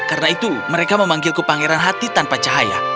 karena itu mereka memanggilku pangeran hati tanpa cahaya